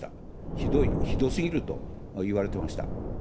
ひどい、ひどすぎると言われてました。